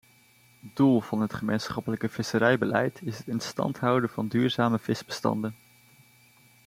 Doel van het gemeenschappelijk visserijbeleid is het in stand houden van duurzame visbestanden.